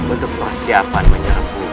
untuk persiapan menyerepuhi